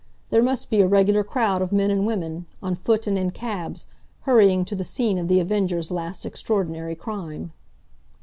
There must be a regular crowd of men and women, on foot and in cabs, hurrying to the scene of The Avenger's last extraordinary crime.